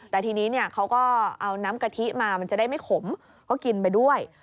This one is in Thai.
แต่ทีนี้เขาก็เอาน้ำกะทิมามันจะได้ไม่ขมก็กินไปด้วย